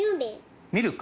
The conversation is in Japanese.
ミルク？